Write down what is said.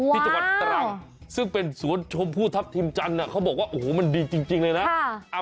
ที่จังหวัดตรังซึ่งเป็นสวนชมพู่ทัพทิมจันทร์เขาบอกว่าโอ้โหมันดีจริงเลยนะ